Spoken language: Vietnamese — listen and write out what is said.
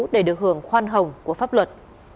để được hưởng khoan hồng của pháp luật